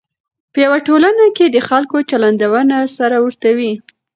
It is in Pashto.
په یوه ټولنه کې د خلکو چلندونه سره ورته وي.